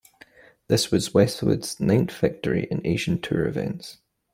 This was Westwood's ninth victory in Asian Tour events.